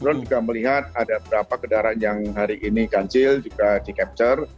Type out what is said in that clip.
drone juga melihat ada beberapa kendaraan yang hari ini ganjil juga di capture